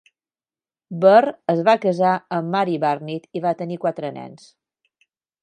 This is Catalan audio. Burr es va casar amb Marie Barnitt i va tenir quatre nens.